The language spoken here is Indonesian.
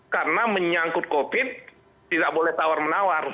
karena menyangkut covid tidak boleh tawar menawar